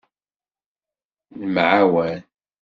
Nemɛawan.